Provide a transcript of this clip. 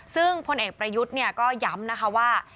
ซึ่งพลเอกประยุทธ์ก็ย้ำนะคะว่า